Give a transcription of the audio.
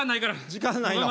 時間ないの。